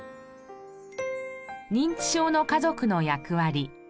認知症の家族の役割。